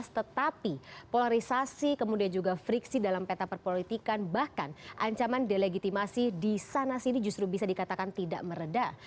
tetapi polarisasi kemudian juga friksi dalam peta perpolitikan bahkan ancaman delegitimasi di sana sini justru bisa dikatakan tidak meredah